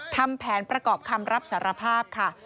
ทำแผนประกอบคำรับสารภาพค่ะ